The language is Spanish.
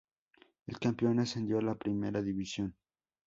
El campeón ascendió a la Primera División.